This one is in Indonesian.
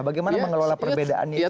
bagaimana mengelola perbedaannya itu sih